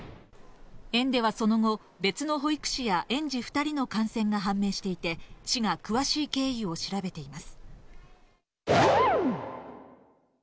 園ではその後、別の保育士や園児２人の感染が判明していて、市が詳しい経緯を調べています。